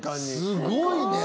すごいね！